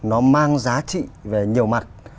nó mang giá trị về nhiều mặt